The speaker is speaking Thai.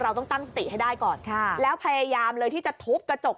เราต้องตั้งสติให้ได้ก่อนค่ะแล้วพยายามเลยที่จะทุบกระจก